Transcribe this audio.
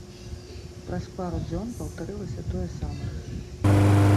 Праз пару дзён паўтарылася тое самае.